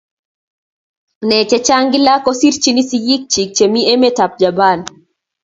Ne chechng kila kosirchin sigig chik che mi emet ap Japan